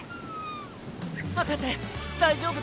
博士大丈夫ですか？